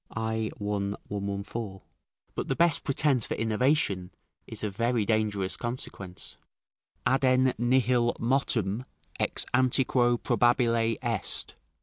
i. I, 114.] but the best pretence for innovation is of very dangerous consequence: "Aden nihil motum ex antiquo probabile est."